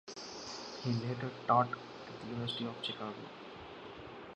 He later taught at the University of Chicago.